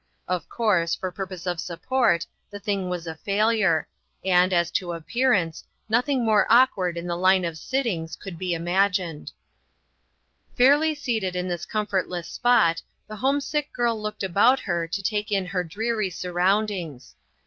Of course, for purpose of support, the thing was a failure, and, as to appear ance, nothing more awkward in the line of sittings could be imagined. 62 INTERRUPTED. Fairly seated in this comfortless spot, the homesick girl looked about her to take in her dreary surroundings.